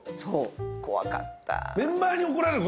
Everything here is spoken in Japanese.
そう怖かった。